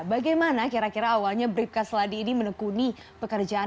bagaimana kira kira awalnya bribka seladi ini menekuni pekerjaan